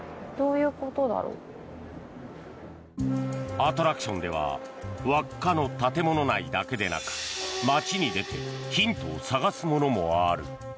アトラクションではＷＡＣＣＡの建物内だけでなく街に出てヒントを探すものもある。